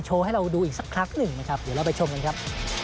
โชว์ให้เราดูอีกสักครั้งหนึ่งนะครับ